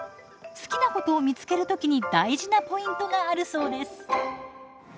好きなことを見つける時に大事なポイントがあるそうです。